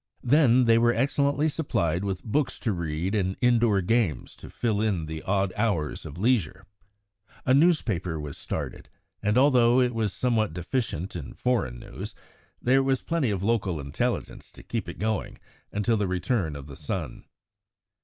Then they were excellently supplied with books to read and indoor games to fill in the odd hours of leisure. A newspaper was started, and although it was somewhat deficient in foreign news, there was plenty of local intelligence to keep it going until the return of the sun.